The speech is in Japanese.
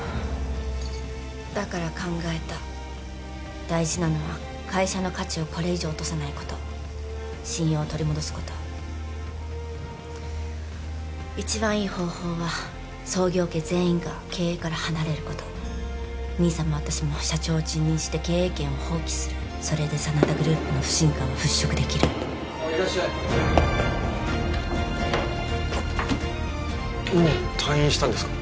だから考えた大事なのは会社の価値をこれ以上落とさないこと信用を取り戻すこと一番いい方法は創業家全員が経営から離れること兄さんも私も社長を辞任して経営権を放棄するそれで真田グループの不信感は払拭できるあっいらっしゃいもう退院したんですか？